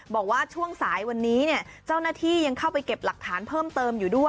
บอกว่าช่วงสายวันนี้เนี่ยเจ้าหน้าที่ยังเข้าไปเก็บหลักฐานเพิ่มเติมอยู่ด้วย